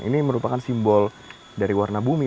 ini merupakan simbol dari warna bumi